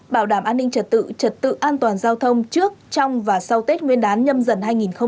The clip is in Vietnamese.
bảo đảm an ninh trật tự trật tự an toàn giao thông trước trong và sau tết nguyên đán nhâm dần hai nghìn hai mươi